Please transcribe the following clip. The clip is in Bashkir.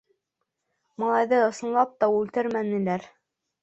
Малайҙы, ысынлап та, үлтермәнеләр.